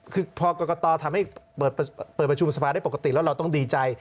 คือพอกรกตทำให้เปิดประชุมสภาได้ปกติแล้วเราต้องดีใจ